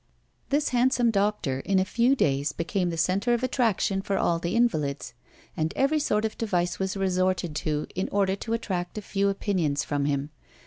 This handsome doctor, in a few days, became the center of attraction for all the invalids. And every sort of device was resorted to, in order to attract a few opinions from him.